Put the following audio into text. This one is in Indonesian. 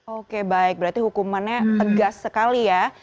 oke baik berarti hukumannya tegas sekali ya